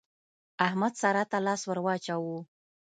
احمد سارا ته لاس ور واچاوو.